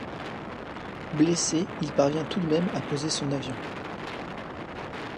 Blessé il parvient tout de même à poser son avion.